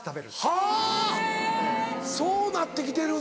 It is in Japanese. はぁそうなって来てるんだ。